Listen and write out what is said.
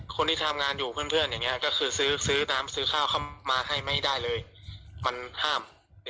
คนที่ทำงานอยู่เพื่อนอย่างนี้ก็คือซื้อซื้อน้ำซื้อข้าวเข้ามาให้ไม่ได้เลยมันห้าม